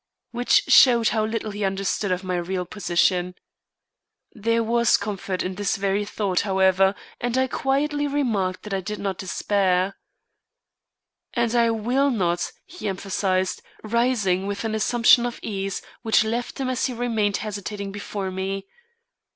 Which showed how little he understood my real position. There was comfort in this very thought, however, and I quietly remarked that I did not despair. "And I will not," he emphasised, rising with an assumption of ease which left him as he remained hesitating before me.